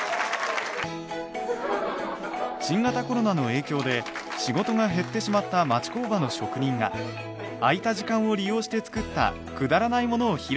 新型コロナの影響で仕事が減ってしまった町工場の職人が空いた時間を利用して作ったくだらないものを披露します。